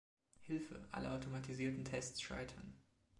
Hilfe! Alle automatisierten Tests scheitern!